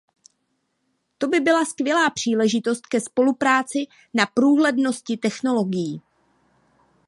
To by byla skvělá příležitost ke spolupráci na průhlednosti technologií.